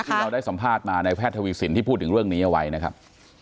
เราได้สัมภาษณ์มาในแพทย์ทวีสินที่พูดถึงเรื่องนี้เอาไว้นะครับ